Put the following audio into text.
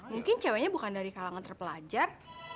mungkin ceweknya bukan dari kalangan terpelajar